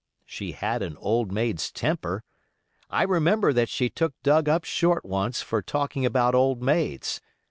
She had an old maid's temper. I remember that she took Doug up short once for talking about "old maids".